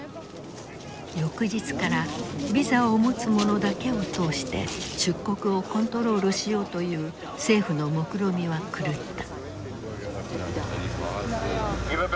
翌日からビザを持つ者だけを通して出国をコントロールしようという政府のもくろみは狂った。